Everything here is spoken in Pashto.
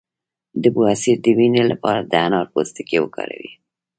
د بواسیر د وینې لپاره د انار پوستکی وکاروئ